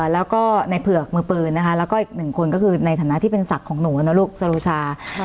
แล้วก็ในเผือกมือปืนนะคะแล้วก็อีกหนึ่งคนก็คือในฐานะที่เป็นศักดิ์ของหนูนะลูกสรุชา